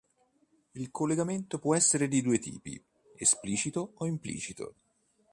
Il collegamento può essere di due tipi: esplicito o implicito.